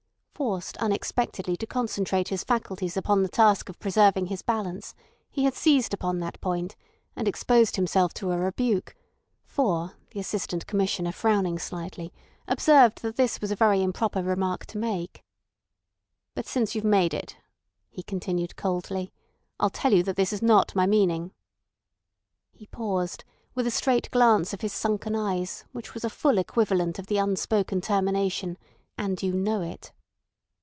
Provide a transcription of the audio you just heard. Forced unexpectedly to concentrate his faculties upon the task of preserving his balance, he had seized upon that point, and exposed himself to a rebuke; for, the Assistant Commissioner frowning slightly, observed that this was a very improper remark to make. "But since you've made it," he continued coldly, "I'll tell you that this is not my meaning." He paused, with a straight glance of his sunken eyes which was a full equivalent of the unspoken termination "and you know it."